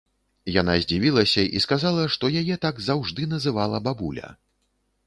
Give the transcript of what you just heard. Яна здзівілася і сказала, што яе так заўжды называла бабуля.